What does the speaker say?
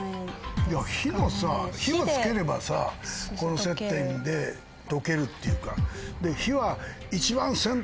火を付ければこの接点でとけるっていうか。